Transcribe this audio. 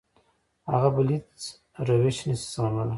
هغه بل هېڅ روش نه شي زغملی.